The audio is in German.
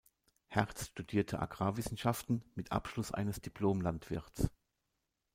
Herz studierte Agrarwissenschaften mit Abschluss eines Diplom-Landwirts.